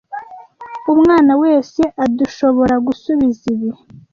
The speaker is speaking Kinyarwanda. Umwana wese ardushoboragusubiza ibi.